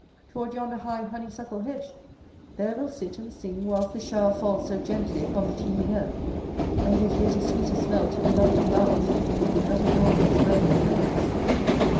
toward yonder high honeysuckle hedge; there we'll sit and sing whilst this shower falls so gently upon the teeming earth, and gives yet a sweeter smell to the lovely flowers that adorn these verdant meadows.